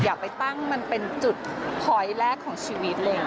อยากไปตั้งมันเป็นจุดพลอยต์แรกของชีวิตเลย